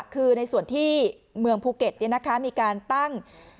คือในส่วนที่เมืองพูเก็ตเนี้ยนะคะมีการตั้ง